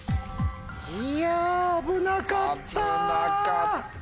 いや危なかった！